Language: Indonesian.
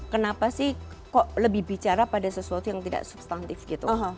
kenapa sih kok lebih bicara pada sesuatu yang tidak substansif gitu